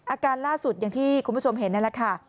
อาการล่าสุดอย่างที่คุณผู้ชมเห็นนั่นแหละค่ะ